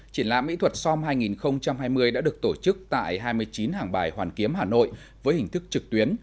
triển lãm mỹ thuật som hai nghìn hai mươi đã được tổ chức tại hai mươi chín hàng bài hoàn kiếm hà nội với hình thức trực tuyến